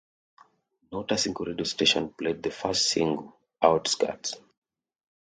Not a single radio station played the first single, 'Outskirts'.